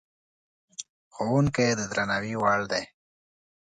ښوونکی د درناوي وړ دی.